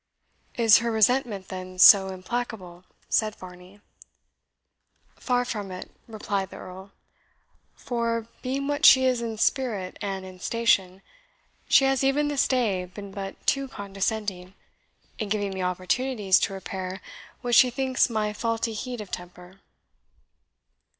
"Is her resentment, then, so implacable?" said Varney. "Far from it," replied the Earl; "for, being what she is in spirit and in station, she has even this day been but too condescending, in giving me opportunities to repair what she thinks my faulty heat of temper."